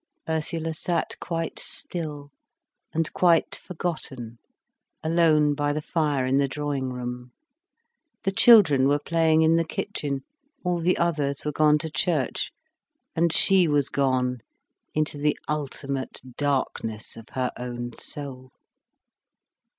Ursula sat quite still and quite forgotten, alone by the fire in the drawing room. The children were playing in the kitchen, all the others were gone to church. And she was gone into the ultimate darkness of her own soul.